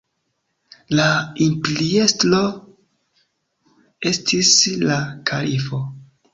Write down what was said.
La imperiestro estis la kalifo.